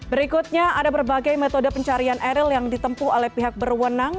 berikutnya ada berbagai metode pencarian eril yang ditempuh oleh pihak berwenang